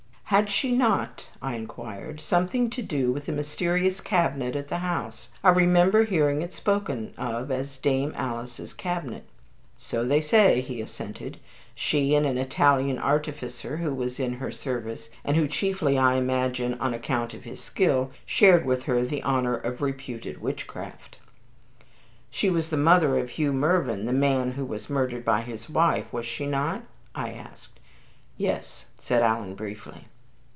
"Had she not," I inquired, "something to do with the mysterious cabinet at the house? I remember hearing it spoken of as 'Dame Alice's cabinet.' "So they say," he assented; "she and an Italian artificer who was in her service, and who, chiefly I imagine on account of his skill, shared with her the honor of reputed witchcraft." "She was the mother of Hugh Mervyn, the man who was murdered by his wife, was she not?" I asked. "Yes," said Alan, briefly.